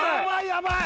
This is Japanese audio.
やばい